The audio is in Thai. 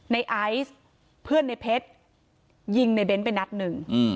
ในไอซ์เพื่อนในเพชรยิงในเบ้นไปนัดหนึ่ง